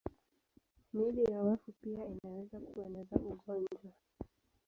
Miili ya wafu pia inaweza kueneza ugonjwa.